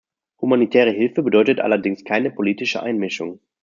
Humanitäre Hilfe bedeutet allerdings keine politische Einmischung.